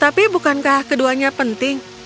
tapi bukankah keduanya penting